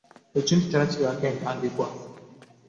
Ekintu kyonna kibaako entandikwa.